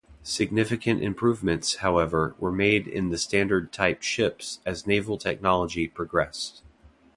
Significant improvements, however, were made in the Standard type ships as naval technology progressed.